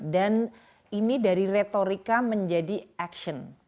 dan ini dari retorika menjadi action